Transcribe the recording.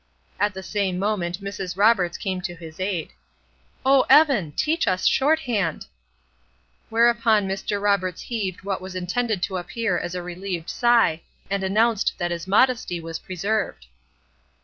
At the same moment Mrs. Roberts came to his aid. "Oh, Evan, teach us short hand!" Whereupon Mr. Roberts heaved what was intended to appear as a relieved sigh, and announced that his modesty was preserved.